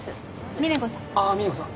峰子さん。